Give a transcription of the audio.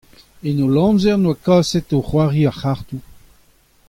E holl amzer en doa kaset o c'hoari ar c'hartoù.